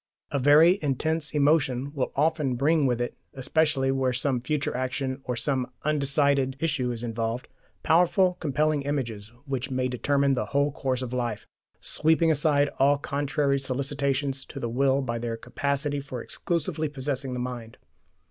A very intense emotion will often bring with it especially where some future action or some undecided issue is involved powerful compelling images which may determine the whole course of life, sweeping aside all contrary solicitations to the will by their capacity for exclusively possessing the mind.